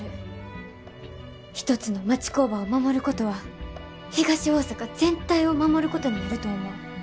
一つの町工場を守ることは東大阪全体を守ることになると思う。